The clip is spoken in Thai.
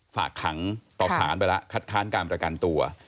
ฝากขังต่อสารไปแล้วคัดค้านการประกันตัว